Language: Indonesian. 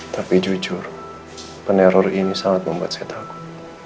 tapi jujur peneror ini sangat membuat saya takut